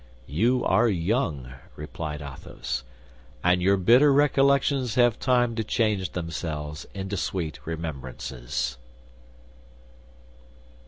"You are young," replied Athos; "and your bitter recollections have time to change themselves into sweet remembrances."